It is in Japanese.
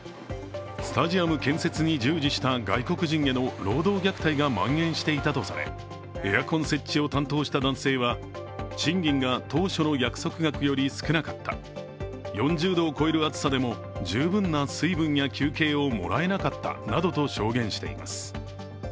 スタジアム建設に従事した外国人への労働虐待がまん延していたとされエアコン設置を担当した男性は賃金が当初の約束額より少なかった４０度を超える暑さでも十分な水分や休憩をもらえなかったなどと証言しています。